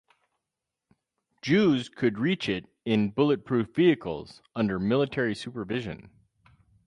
Jews could reach it in bulletproof vehicles under military supervision.